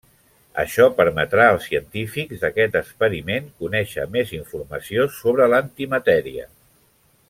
Això permetrà als científics d'aquest experiment conèixer més informació sobre l'antimatèria.